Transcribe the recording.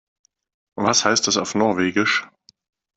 Was heißt das auf Norwegisch?